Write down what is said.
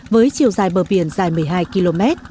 với chiều dài bờ biển dài một mươi hai km